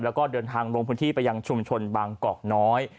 แล้วก็เดินทางลงพื้นที่ไปยังชุมชนบางกอกน้อย